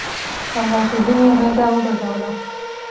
تر غوث الدين يې غېږه وګرځوله.